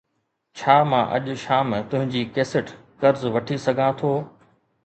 ڇا مان اڄ شام تنهنجي ڪيسٽ قرض وٺي سگهان ٿو؟